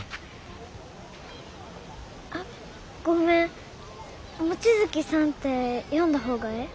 あっごめん望月さんって呼んだ方がええ？